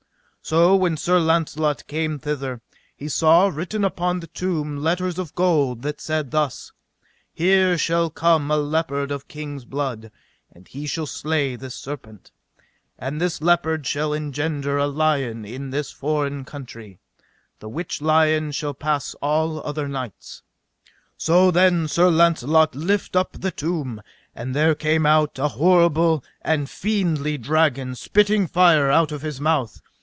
So when Sir Launcelot came thither he saw written upon the tomb letters of gold that said thus: Here shall come a leopard of king's blood, and he shall slay this serpent, and this leopard shall engender a lion in this foreign country, the which lion shall pass all other knights. So then Sir Launcelot lift up the tomb, and there came out an horrible and a fiendly dragon, spitting fire out of his mouth.